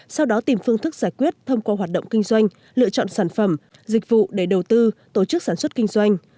sau đó tìm phương thức giải quyết thông qua hoạt động kinh doanh lựa chọn sản phẩm dịch vụ để đầu tư tổ chức sản xuất kinh doanh